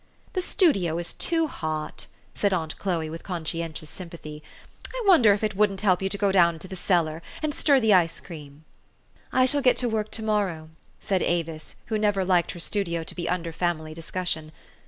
"The studio is too hot," said aunt Chloe with conscientious sympathy. " I wonder if it wouldn't help you out to go down cellar, and stir the ice cream." " I shall get to work to morrow," said Avis, who never liked her studio to be under family discussion.